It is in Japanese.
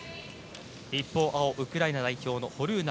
一方、ウクライナのホルーナ